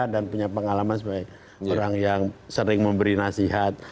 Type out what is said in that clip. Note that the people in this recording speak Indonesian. dan punya pengalaman sebagai orang yang sering memberi nasihat